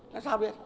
nói sao biết